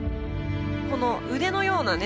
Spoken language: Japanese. この腕のようなね